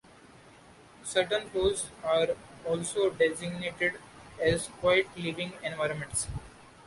Certain floors are also designated as quiet living environments.